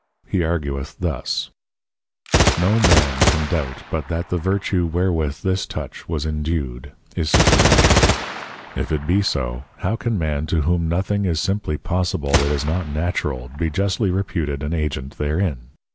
He argueth thus, 'No Man can doubt but that the Vertue wherewith this touch was indued, is supernatural: If it be so, How can man to whom nothing is simply possible that is not natural be justly reputed an Agent therein?